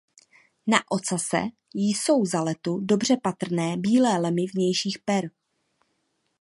Na ocase jsou za letu dobře patrné bílé lemy vnějších per.